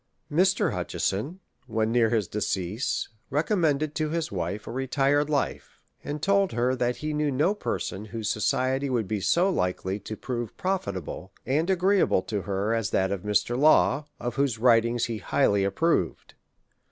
, Mr. Hutcheson, when near his decease, recom mended to his wife a retired life, and told her, that he knew no person whose society would be so likely to prove profitable and agreeable to her as that of Mr. Law, of whose writings he highly approved.